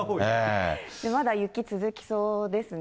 まだ雪続きそうですね。